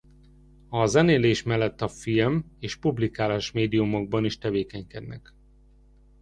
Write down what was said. A zenélés mellett a film és publikálás médiumokban is tevékenykednek.